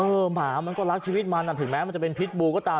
หมามันก็รักชีวิตมันถึงแม้มันจะเป็นพิษบูก็ตาม